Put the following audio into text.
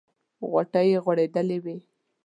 غوټۍ یې غوړېدلې وې.